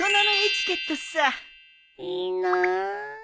いいなあ